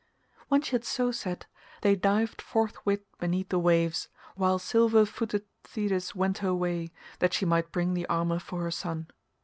When she had so said, they dived forthwith beneath the waves, while silver footed Thetis went her way that she might bring the armour for her son.